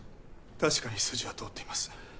確かに筋は通っています